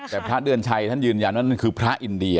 แต่พระเตือนชัยท่านยืนยันว่าเพราะคราวอินเฆ้า